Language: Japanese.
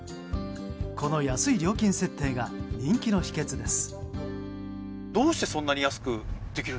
この安い料金設定が人気の秘訣です。